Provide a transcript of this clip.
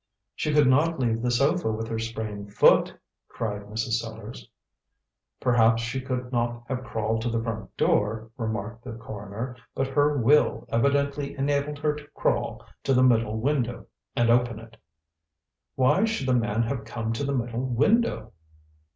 "She could not leave the sofa with her sprained foot," cried Mrs. Sellars. "Perhaps she could not have crawled to the front door," remarked the coroner; "but her will evidently enabled her to crawl to the middle window and open it." "Why should the man have come to the middle window?"